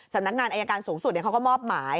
สำนักงานอายการสูงสุดเขาก็มอบหมาย